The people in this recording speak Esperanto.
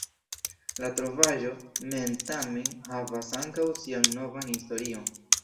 La trovaĵo mem, tamen, havas ankaŭ sian novan historion.